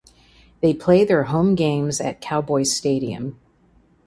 They play their home games at Cowboy Stadium.